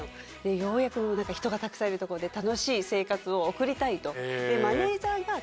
ようやく人がたくさんいるとこで楽しい生活を送りたいと。